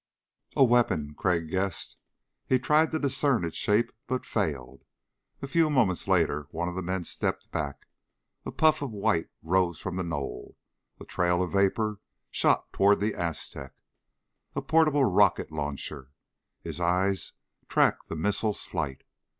A weapon, Crag guessed. He tried to discern its shape but failed. A few moments later one of the men stepped back. A puff of white rose from the knoll. A trail of vapor shot toward the Aztec. A portable rocket launcher! His eyes tracked the missile's flight.